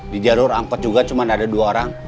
di jalur angkot juga cuma ada dua orang